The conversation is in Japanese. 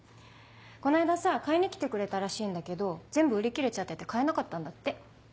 この間さ買いに来てくれたらしいんだけど全部売り切れちゃってて買えなかったんだって。